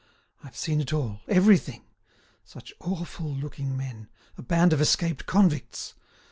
I've seen it all, everything. Such awful looking men; a band of escaped convicts!